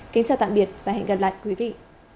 kính chào tạm biệt và hẹn gặp lại quý vị